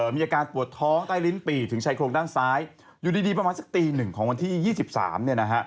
มีอาการปวดท้องใต้ลิ้นปี่ถึงชายโครงด้านซ้ายอยู่ดีประมาณสักตีหนึ่งของวันที่๒๓เนี่ยนะฮะ